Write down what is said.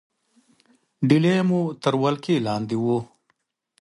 ډهلی مو تر ولکې لاندې وو.